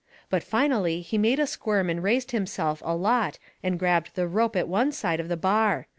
But finally he made a squirm and raised himself a lot and grabbed the rope at one side of the bar.